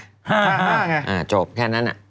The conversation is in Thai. อะจบแค่นั้นน่ะ